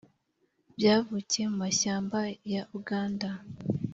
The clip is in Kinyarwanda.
byavukiye mu mashyamba ya uganda.